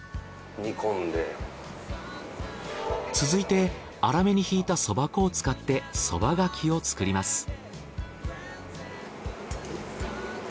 続いて粗めにひいたそば粉を使ってそばがきを作ります。